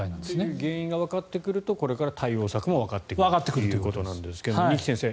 原因がわかってくるとこれから対応策もわかってくるということですが二木先生